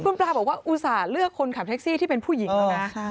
คุณปลาบอกว่าอุตส่าห์เลือกคนขับแท็กซี่ที่เป็นผู้หญิงแล้วนะ